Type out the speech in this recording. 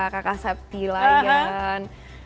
kakak septi layan